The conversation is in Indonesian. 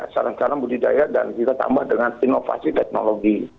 saran saran budidaya dan kita tambah dengan inovasi teknologi